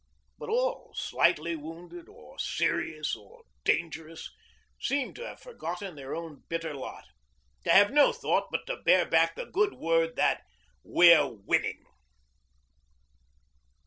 But all, slightly wounded, or 'serious,' or 'dangerous,' seemed to have forgotten their own bitter lot, to have no thought but to bear back the good word that 'we're winning.'